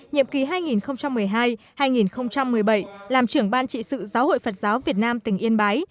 nhiệm kỳ hai nghìn một mươi hai hai nghìn một mươi bảy làm trưởng ban trị sự giáo hội phật giáo việt nam tỉnh yên bái